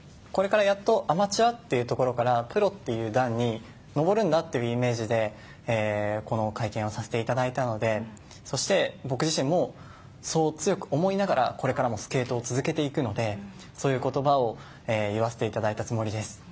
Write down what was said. これからやっとアマチュアというところからプロという段に上るんだというイメージでこの会見をさせていただいたのでそして僕自身もそう強く思いながらこれからもスケートを続けていくのでそういう言葉を言わせていただいたつもりです。